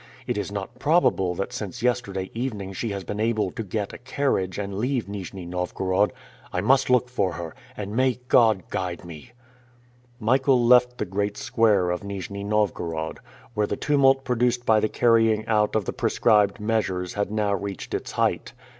It is not probable that since yesterday evening she has been able to get a carriage and leave Nijni Novgorod. I must look for her. And may God guide me!" Michael left the great square of Nijni Novgorod, where the tumult produced by the carrying out of the prescribed measures had now reached its height.